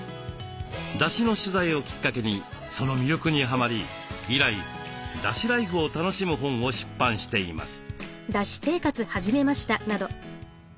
だしの取材をきっかけにその魅力にはまり以来だしライフを楽しむ本を出版しています。